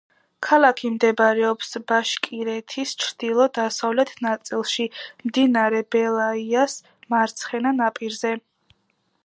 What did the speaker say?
ქალაქი მდებარეობს ბაშკირეთის ჩრდილო-დასავლეთ ნაწილში, მდინარე ბელაიას მარცხენა ნაპირზე.